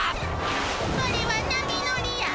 それは波乗りや。